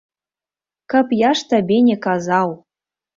Каб я ж табе не казаў!